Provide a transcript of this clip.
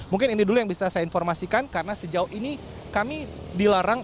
mungkin ini dulu yang bisa saya informasikan karena sejauh ini kami dilarang